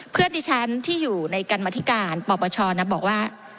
เพื่อนดิฉันที่อยู่ในกรรมธิการปปชนะบอกว่า